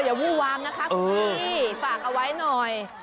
ใช่อย่าวู้วามนะครับพี่ฝากเอาไว้หน่อย